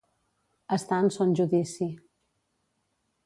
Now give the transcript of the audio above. Estar en son judici.